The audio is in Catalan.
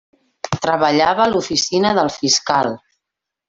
Treballava a l'oficina del fiscal.